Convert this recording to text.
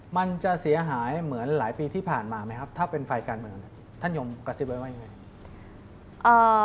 มันจะเสียหายเหมือนหลายปีที่ผ่านมาไหมครับถ้าเป็นฝ่ายการเมืองท่านยมกระซิบไว้ว่ายังไง